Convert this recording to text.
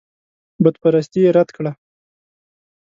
بتپرستي یې رد کړه.